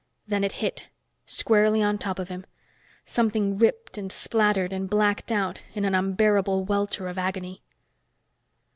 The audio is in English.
Then it hit, squarely on top of him. Something ripped and splattered and blacked out in an unbearable welter of agony.